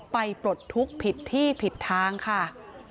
ปลดทุกข์ผิดที่ผิดทางค่ะ